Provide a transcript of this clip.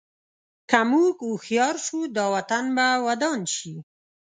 که موږ هوښیار شو، دا وطن به ودان شي.